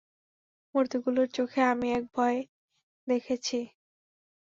মূর্তিগুলোর চোখে আমি এক ভয় দেখেছি।